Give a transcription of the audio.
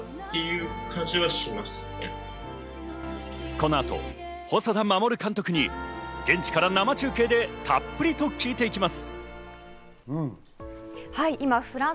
この後、細田守監督に現地から生中継でたっぷりと聞いていきます。